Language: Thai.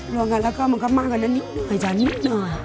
ลงไปละก็มันก็มากก็นิดหน่อยจังนิดหน่อย